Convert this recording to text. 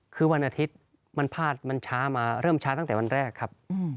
คือวันอาทิตย์มันพลาดมันช้ามาเริ่มช้าตั้งแต่วันแรกครับ